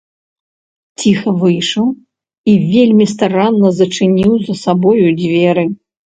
Ціха выйшаў і вельмі старанна зачыніў за сабою дзверы.